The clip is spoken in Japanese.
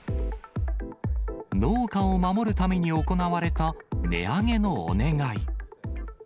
農家を守るために行われた値上げのお願い。